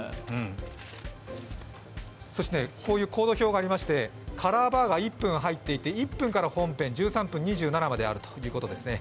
こういうコード表がありまして、カラーバーが１分入っていまして１分から本編、１３分２７まであるということですね。